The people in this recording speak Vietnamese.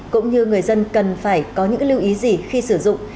cũng như người dân cần phải có những lưu ý gì khi sử dụng